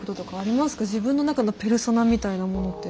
自分の中のペルソナみたいなものって。